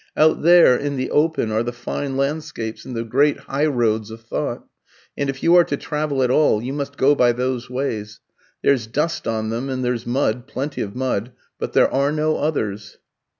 Out there, in the open, are the fine landscapes and the great highroads of thought. And if you are to travel at all, you must go by those ways. There's dust on them, and there's mud plenty of mud; but there are no others."